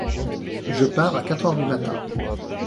Je pars à quatre heure du matin.